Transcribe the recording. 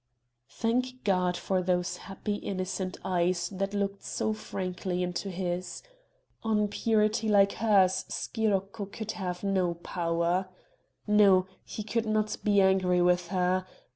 Thank God for those happy innocent eyes that looked so frankly into his! On purity like hers Scirocco could have no power! No he could not be angry with her.